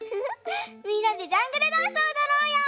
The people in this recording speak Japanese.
みんなでジャングルダンスをおどろうよ！